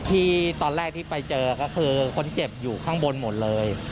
ที่ตอนแรกที่ไปเจอก็คือคนเจ็บอยู่ข้างบนหมดเลย